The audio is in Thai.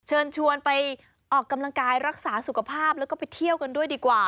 เชิญชวนไปออกกำลังกายรักษาสุขภาพแล้วก็ไปเที่ยวกันด้วยดีกว่า